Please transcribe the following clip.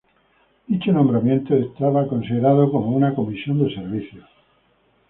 Dicho nombramiento era considerado como una comisión de servicios.